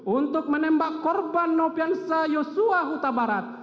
untuk menembak korban nopiansa yosua huta barat